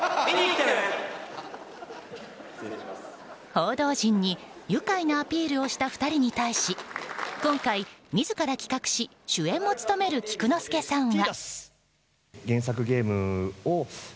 報道陣に愉快なアピールをした２人に対し今回、自ら企画し主演も務める菊之助さんは。